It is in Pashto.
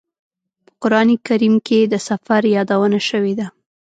په قران کریم کې د سفر یادونه شوې ده.